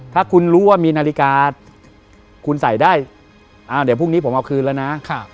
ถ้าคุณรู้ว่ามีนาฬิกาคุณใส่ได้เดี๋ยวพรุ่งนี้ผมเอาคืนแล้วนะ